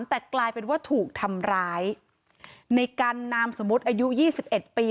แต่กลายเป็นว่าถูกทำร้ายในการนามสมมุติอายุ๒๑ปี